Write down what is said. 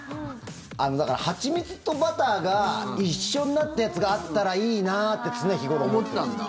だから、蜂蜜とバターが一緒になったやつがあったらいいなって常日頃思ってるんです。